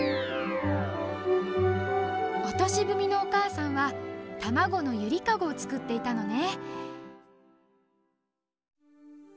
オトシブミのおかあさんはたまごのゆりかごをつくっていたのね。